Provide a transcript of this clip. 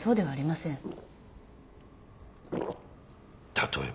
例えば？